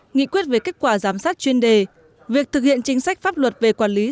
nghị quyết về kết quả giám sát chuyên đề việc thực hiện chính sách pháp luật